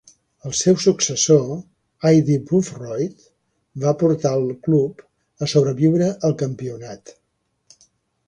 El seu successor, Aidy Boothroyd, va portar el club a sobreviure el Campionat.